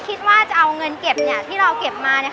ก็คิดว่าจะเอาเงินเก็บที่เราเก็บมา